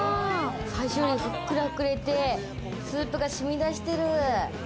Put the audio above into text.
ふっくら膨れてスープが染み出してる。